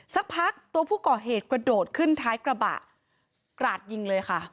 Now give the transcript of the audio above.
สักพักตัวผู้ก่อเหตุกระโดดขึ้นท้ายกระบะกราดยิงเลยค่ะ